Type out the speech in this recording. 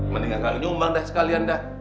mendingan kamu nyumbang dah sekalian dah